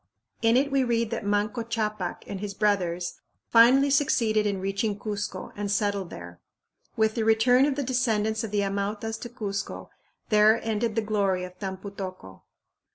In it we read that Manco Ccapac and his brothers finally succeeded in reaching Cuzco and settled there. With the return of the descendants of the Amautas to Cuzco there ended the glory of Tampu tocco.